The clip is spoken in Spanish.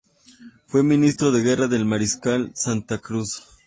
Fue Ministro de Guerra del mariscal Santa Cruz.